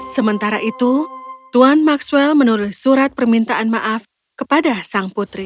sementara itu tuan maxwell menulis surat permintaan maaf kepada sang putri